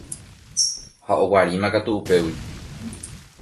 Ha oguaríma katu upégui.